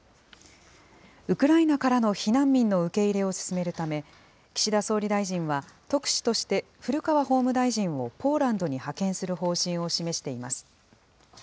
ウクライナからの避難民の受け入れを進めるため、岸田総理大臣は特使として古川法務大臣をポーランドに派遣する方針を示しています。